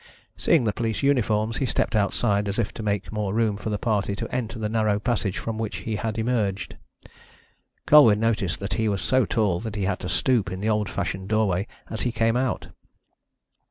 Seeing the police uniforms he stepped outside as if to make more room for the party to enter the narrow passage from which he had emerged. Colwyn noticed that he was so tall that he had to stoop in the old fashioned doorway as he came out.